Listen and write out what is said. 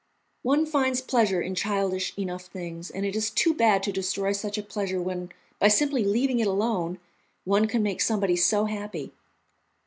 "One finds pleasure in childish enough things, and it is too bad to destroy such a pleasure when, by simply leaving it alone, one can make somebody so happy."